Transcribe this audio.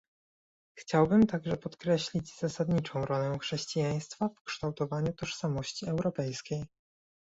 Chciałbym także podkreślić zasadniczą rolę chrześcijaństwa w kształtowaniu tożsamości europejskiej